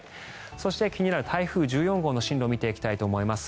そして気になる台風１４号の進路を見ていきたいと思います。